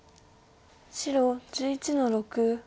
白１１の六。